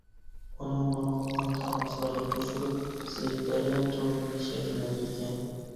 ئۇنىڭ نۇرغۇنلىغان تارماقلىرى قوشۇلۇپ زىچ دەريا تورىنى شەكىللەندۈرگەن.